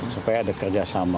supaya ada kerjasama